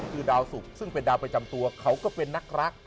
คือดาวสุกซึ่งเป็นดาวประจำตัวเขาก็เป็นนักรัก